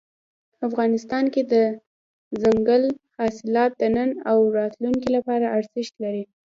افغانستان کې دځنګل حاصلات د نن او راتلونکي لپاره ارزښت لري.